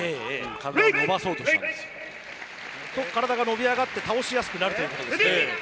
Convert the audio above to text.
体が伸び上がり倒しやすくなるということですね。